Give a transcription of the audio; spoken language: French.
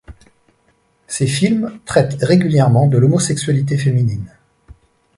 Ces films traitent régulièrement de l'homosexualité féminine.